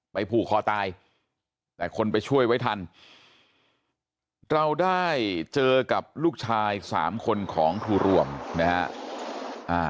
ผูกคอตายแต่คนไปช่วยไว้ทันเราได้เจอกับลูกชายสามคนของครูรวมนะฮะ